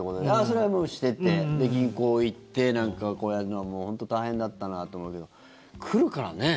それはもうしてて銀行に行ってなんかこうやるのはもう本当大変だったなと思うけど来るからね。